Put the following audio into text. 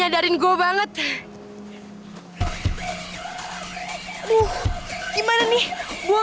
yang penting gue udah handsome kayak dulu